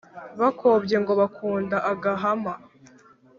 bakobye ngo bakunda agahama.